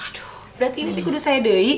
aduh berarti ini kudus saya dei